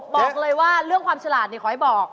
บอกเลยว่าเรื่องความฉลาดขอให้บอก